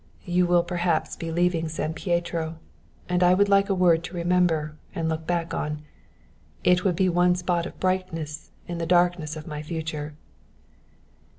You will perhaps be leaving San Pietro and I would like a word to remember and look back on. It would be one spot of brightness in the darkness of my future."